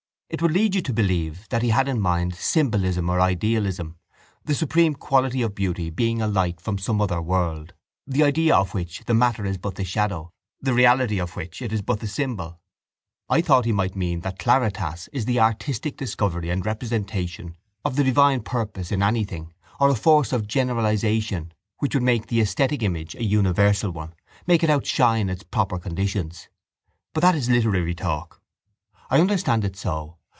It would lead you to believe that he had in mind symbolism or idealism, the supreme quality of beauty being a light from some other world, the idea of which the matter is but the shadow, the reality of which it is but the symbol. I thought he might mean that claritas is the artistic discovery and representation of the divine purpose in anything or a force of generalization which would make the esthetic image a universal one, make it outshine its proper conditions. But that is literary talk. I understand it so.